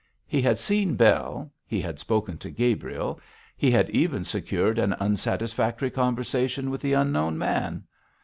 He had seen Bell, he had spoken to Gabriel, he had even secured an unsatisfactory conversation with the unknown man.